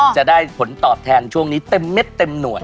จะได้ผลตอบแทนช่วงนี้เต็มเม็ดเต็มหน่วย